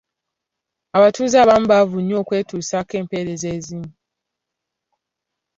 Abatuze abamu baavu nnyo okwetusaako empeereza ezimu.